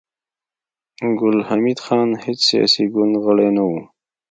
ګل حمید خان د هېڅ سياسي ګوند غړی نه و